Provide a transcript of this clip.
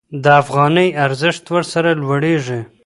د افغانۍ ارزښت ورسره لوړېږي.